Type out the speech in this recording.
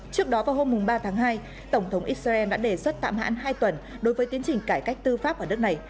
trước đó vào hôm ba tháng hai tổng thống israel đã đề xuất tạm hoãn hai tuần đối với tiến trình cải cách tư pháp ở nước này